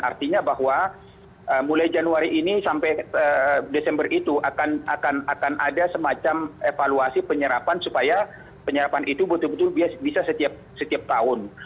artinya bahwa mulai januari ini sampai desember itu akan ada semacam evaluasi penyerapan supaya penyerapan itu betul betul bisa setiap tahun